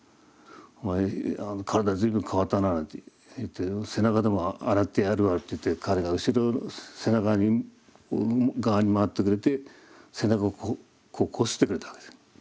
「お前体随分変わったな」なんて言って「背中でも洗ってやるわ」って言って彼が後ろ背中側に回ってくれて背中をこすってくれたわけですよ。